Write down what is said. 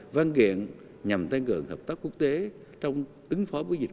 văn kiện nhằm tăng cường hợp tác quốc tế trong ứng phó với dịch